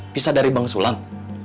pisah dari bang sulang